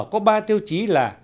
có ba tiêu chí là